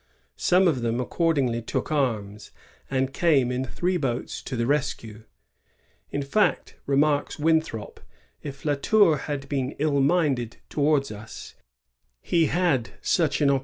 Some of them accordingly took arms, and came in three boats to the rescue. In fact, remarks Winthrop, " if La Tour had been ill minded towards us, he had such an 1 Wood, New England'* Prospect, part i.